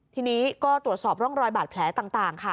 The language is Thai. ทีนี้ก็ตรวจสอบร่องรอยบาดแผลต่างค่ะ